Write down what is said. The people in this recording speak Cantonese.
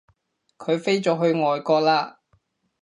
佢飛咗去外國喇